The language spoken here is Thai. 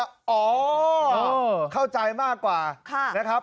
อ๋อเข้าใจมากกว่านะครับ